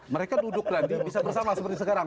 mereka duduk lagi bisa bersama seperti sekarang